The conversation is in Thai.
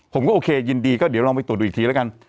ผมก็โอเคยินดีก็เดี๋ยวลองไปตรวจดูอีกทีแล้วกัน